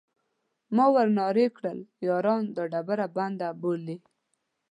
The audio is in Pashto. ما ور نارې کړل: یارانو دا ډبره بنده بولئ.